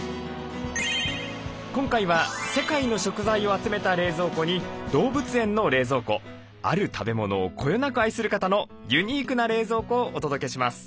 今回は世界の食材を集めた冷蔵庫に動物園の冷蔵庫ある食べ物をこよなく愛する方のユニークな冷蔵庫をお届けします。